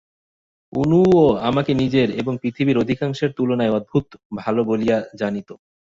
অনুও আমাকে নিজের এবং পৃথিবীর অধিকাংশের তুলনায় অদ্ভুত ভালো বলিয়া জানিত।